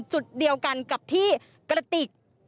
จุดเดียวกันกับที่กระติก